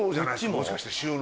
もしかして収納。